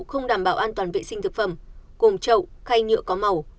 không đảm bảo an toàn vệ sinh thực phẩm gồm chậu khay nhựa có màu